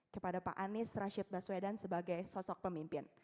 kepada pak anies rashid baswedan sebagai sosok pemimpin